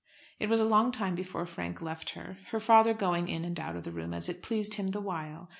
It was a long time before Frank left her, her father going in and out of the room as it pleased him the while.